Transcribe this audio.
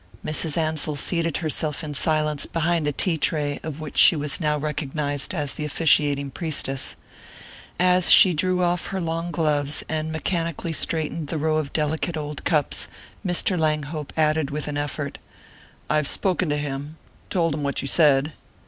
Mrs. Ansell seated herself in silence behind the tea tray, of which she was now recognized as the officiating priestess. As she drew off her long gloves, and mechanically straightened the row of delicate old cups, Mr. Langhope added with an effort: "I've spoken to him told him what you said."